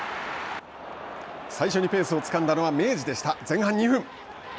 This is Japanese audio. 最初にペースをつかんだのは明治でした。